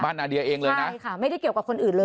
นาเดียเองเลยนะใช่ค่ะไม่ได้เกี่ยวกับคนอื่นเลย